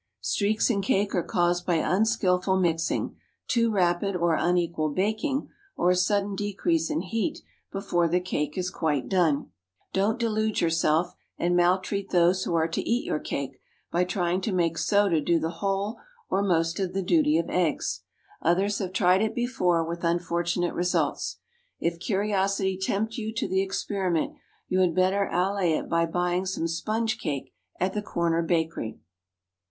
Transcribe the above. Streaks in cake are caused by unskilful mixing, too rapid or unequal baking, or a sudden decrease in heat before the cake is quite done. Don't delude yourself, and maltreat those who are to eat your cake, by trying to make soda do the whole or most of the duty of eggs. Others have tried it before, with unfortunate results. If curiosity tempt you to the experiment, you had better allay it by buying some sponge cake at the corner bakery.